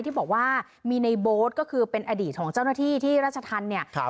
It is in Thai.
ที่บอกว่ามีในโบ๊ทก็คือเป็นอดีตของเจ้าหน้าที่ที่ราชธรรมเนี่ย